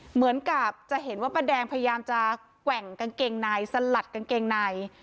เหมือนกับจะเห็นว่าป้าแดงพยายามจะแกว่งกางเกงในสลัดกางเกงใน